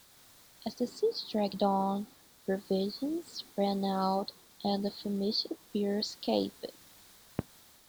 As the siege dragged on, provisions ran out and the famished bear escaped.